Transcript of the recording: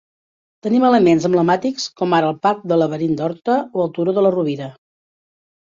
Tenim elements emblemàtics com ara el parc del Laberint d'Horta o el Turó de la Rovira.